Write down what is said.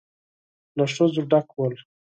له ښځو ډک ول.